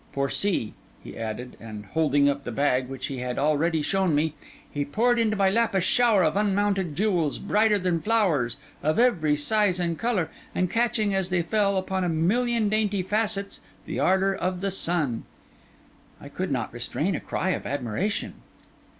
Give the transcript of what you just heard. For see!' he added; and holding up the bag, which he had already shown me, he poured into my lap a shower of unmounted jewels, brighter than flowers, of every size and colour, and catching, as they fell, upon a million dainty facets, the ardour of the sun. I could not restrain a cry of admiration.